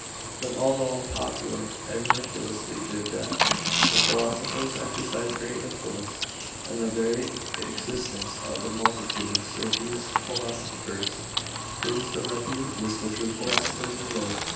§ 17. But, although unpopular and mercilessly jibed at, the philosophers exercised great influence; and the very existence of a multitude of spurious philosophers proves the repute which the true philosophers enjoyed.